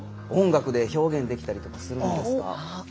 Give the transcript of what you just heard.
音楽で表現できたりとかするんですか？